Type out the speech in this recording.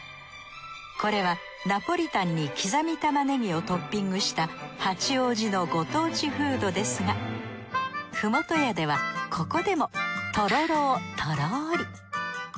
これはナポリタンに刻み玉ねぎをトッピングした八王子のご当地フードですがＦｕＭｏｔｏＹＡではここでもとろろをとろり。